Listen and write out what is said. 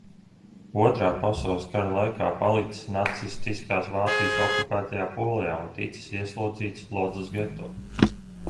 Otrā pasaules kara laikā palicis nacistiskās Vācijas okupētajā Polijā un ticis ieslodzīts Lodzas geto.